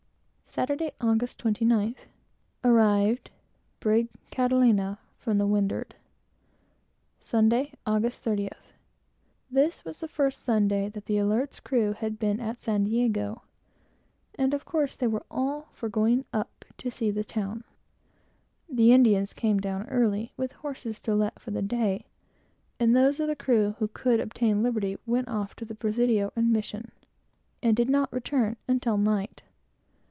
Saturday, Aug. 29th. Arrived, brig Catalina, from the windward. Sunday, 30th. This was the first Sunday that the crew had been in San Diego, and of course they were all for going up to see the town. The Indians came down early, with horses to let for the day, and all the crew, who could obtain liberty, went off to the Presidio and mission, and did not return until night.